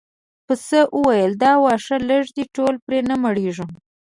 پسه وویل دا واښه لږ دي ټول پرې نه مړیږو.